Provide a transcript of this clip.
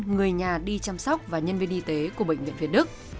người nhà đi chăm sóc và nhân viên y tế của bệnh viện việt đức